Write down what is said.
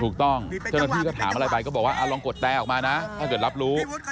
เจ้าหน้าที่ก็ถามอะไรไปก็บอกว่าลองกดแตรออกมานะถ้าเกิดรับรู้